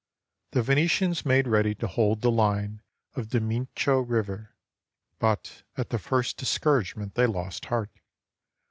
The Venetians made ready to hold the line of the Mincio River, but at the first dis couragement they lost heart.